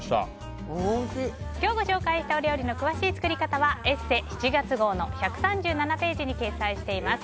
今日ご紹介したお料理の詳しい作り方は「ＥＳＳＥ」７月号の１３７ページに掲載しています。